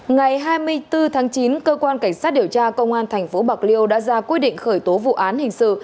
ngày hai mươi bốn tháng chín cơ quan cảnh sát điều tra công an thành phố bạc liêu đã ra quy định khởi tố vụ án hình sự